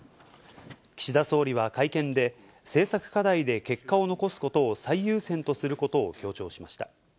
岸田総理は会見で、政策課題で結果を残すことを最優先とすることを強調しました。